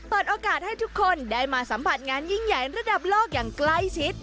เปิดโอกาสให้ทุกคนได้มาสัมผัสงานยิ่งใหญ่ระดับโลกอย่างใกล้ชิด